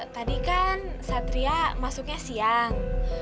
tadi kan satria masuknya siang